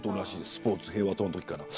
スポーツ平和党のときから。